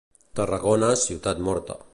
Tarragona, ciutat morta.